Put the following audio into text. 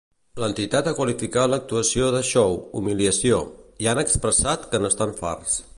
L'entitat ha qualificat l'actuació de “xou”, “humiliació” i han expressat que n'estan farts.